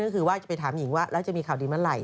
ก็คือว่าจะไปถามหญิงว่าแล้วจะมีข่าวดีเมื่อไหร